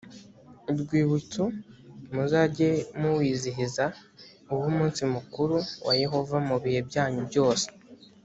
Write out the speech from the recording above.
urwibutso muzajye muwizihiza ube umunsi mukuru wa yehova mu bihe byanyu byose